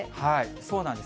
そうなんです。